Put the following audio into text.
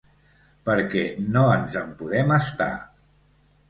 Perquè no ens en podem estar.